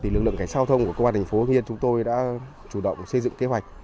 lực lượng gánh giao thông của công an thành phố hương yên chúng tôi đã chủ động xây dựng kế hoạch